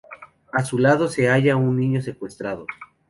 A su lado se halla un niño secuestrado.